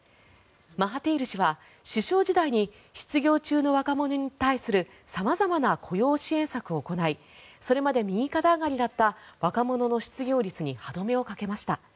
マハティール氏は首相時代に失業中の若者に対する様々な雇用支援策を行いそれまで右肩上がりだった若者の失業率に歯止めをかけました。